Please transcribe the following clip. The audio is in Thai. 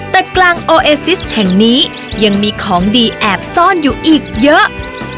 แต่กลางโอเอซิสแห่งนี้ยังมีของดีแอบซ่อนอยู่อีกเยอะ